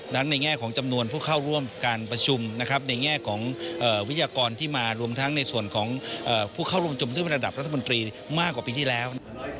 ในแง่ของจำนวนผู้เข้าร่วมการประชุมนะครับในแง่ของวิทยากรที่มารวมทั้งในส่วนของผู้เข้าร่วมชมซึ่งเป็นระดับรัฐมนตรีมากกว่าปีที่แล้ว